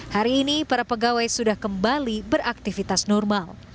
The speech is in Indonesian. hari ini para pegawai sudah kembali beraktivitas normal